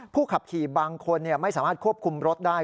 ขับขี่บางคนไม่สามารถควบคุมรถได้